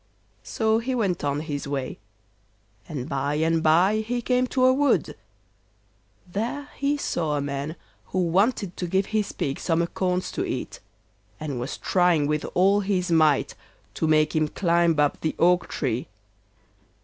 So he went on his way, and by and by he came to a wood. There he saw a man who wanted to give his pig some acorns to eat, and was trying with all his might to make him climb up the oak tree.